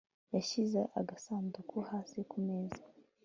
Yashyize agasanduku hasi kumeza